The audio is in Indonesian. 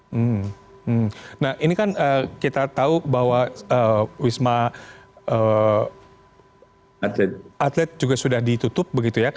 hmm nah ini kan kita tahu bahwa wisma atlet juga sudah ditutup begitu ya